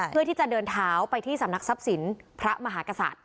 เพื่อที่จะเดินเท้าไปที่สำนักทรัพย์สินพระมหากษัตริย์